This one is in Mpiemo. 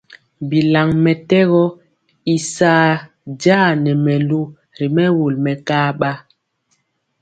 Bilaŋ mɛtɛgɔ i saa ja nɛ mɛlu ri mɛwul mɛkaɓa.